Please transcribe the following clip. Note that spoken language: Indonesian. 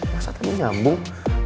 masa tadi nyambung